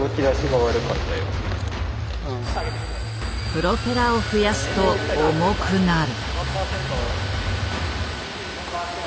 プロペラを増やすと重くなる。